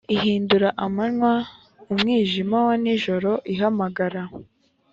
ihindura amanywa umwijima wa nijoro ihamagara